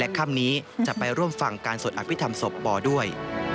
ค่ำนี้จะไปร่วมฟังการสวดอภิษฐรรมศพปอด้วย